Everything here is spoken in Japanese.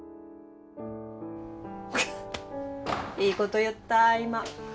いいこと言った今。